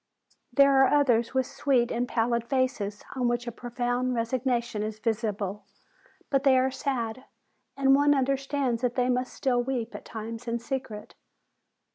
"There are others, with sweet and pallid faces on which a profound resignation is visible; but they are sad, and one understands that they must still weep at times in secret.